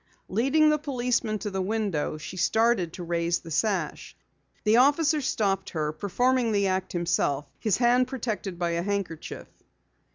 Leading the policeman to the window, she started to raise the sash. The officer stopped her, performing the act himself, his hand protected by a handkerchief.